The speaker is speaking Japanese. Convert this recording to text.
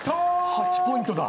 ８ポイントだ。